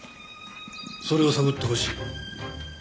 それを探ってほしい。